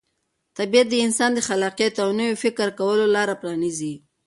طبیعت د انسان د خلاقیت او نوي فکر کولو لاره پرانیزي.